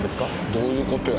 どういうことや。